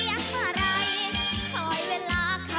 อยากให้เข้าเข้ามาไกล